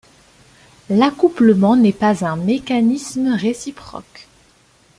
L'accouplement n'est pas un mécanisme réciproque.